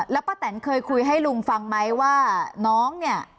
แล้วป้าแตนเคยคุยให้ลุงฟังไหมว่าน้องเนี่ย